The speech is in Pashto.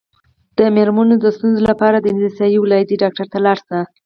د میرمنو د ستونزو لپاره د نسایي ولادي ډاکټر ته لاړ شئ